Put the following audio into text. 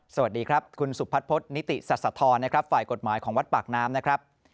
สวัสดีครับคุณสุพัดพจนิติศรษธรฝ่ายกฎหมายของวัดปากน้ำนะครับ